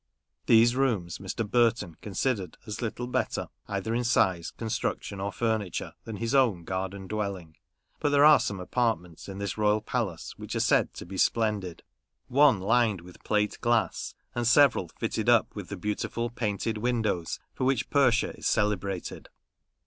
These rooms Mr. Burton considered as little better, either in size, construction, or furniture, than his own garden dwelling ; but there are some apartments in this royal palace which are said to be splendid ; one lined with plate glass, and several fitted up with the beautiful painted windows for which Persia is celebrated.